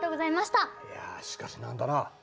いやしかしなんだな。